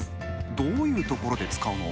どういうところで使うの？